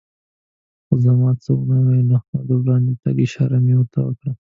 خو ما څه و نه ویل او د وړاندې تګ اشاره مې ورته وکړه.